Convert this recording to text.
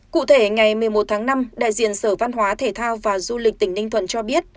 cụ thể ngày một mươi một tháng năm đại diện sở văn hóa thể thao và du lịch tỉnh ninh thuận cho biết